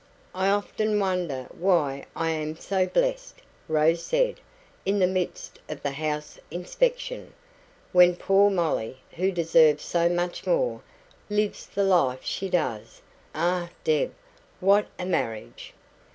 "I often wonder why I am so blessed," Rose said, in the midst of the house inspection, "when poor Molly, who deserved so much more, lives the life she does. Ah, Deb what a marriage!"